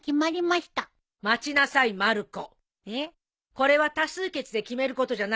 これは多数決で決めることじゃないわ。